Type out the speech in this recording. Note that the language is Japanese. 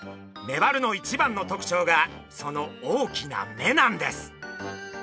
メバルの一番の特徴がその大きな目なんです。